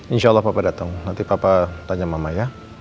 insya allah bapak datang nanti papa tanya mama ya